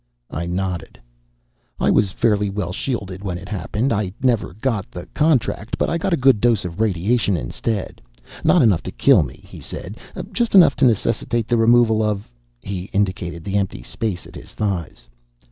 I nodded. "I was fairly well shielded when it happened. I never got the contract, but I got a good dose of radiation instead. Not enough to kill me," he said. "Just enough to necessitate the removal of " he indicated the empty space at his thighs.